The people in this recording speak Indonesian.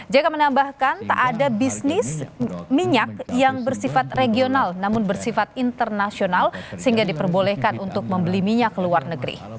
jk menambahkan tak ada bisnis minyak yang bersifat regional namun bersifat internasional sehingga diperbolehkan untuk membeli minyak ke luar negeri